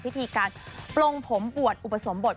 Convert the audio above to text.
พิธีการปลงผมบวชอุปสมบท